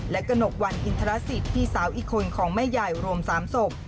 และกระหนกวันอินทรสิตพี่สาวอีกคนของแม่ใหญ่รวม๓ศพ